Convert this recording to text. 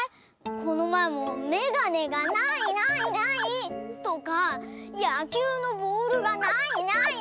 このまえも「めがねがないないない」とか「やきゅうのボールがないないない」とかいってたよね？